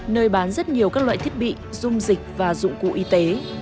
nơi bán rất nhiều các loại thiết bị dung dịch và dụng cụ y tế